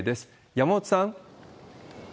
山本さん。